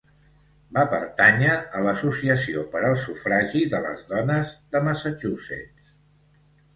Va pertànyer a l'Associació per al Sufragi de les Dones de Massachusetts.